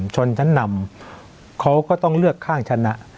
ชนชั้นนำเขาก็ต้องเลือกข้างชนะ